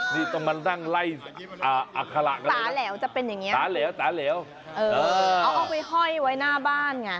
นี่ต้องไปนั่งไล่อักษระนะครับเอ่อเอาออกไปไฮ้ว่ายหน้าบ้านไงตะ